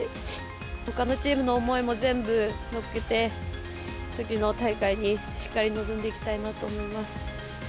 ほかのチームの思いも全部乗っけて、次の大会にしっかり臨んでいきたいなと思います。